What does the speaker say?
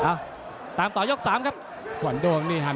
ฝ่ายทั้งเมืองนี้มันตีโต้หรืออีโต้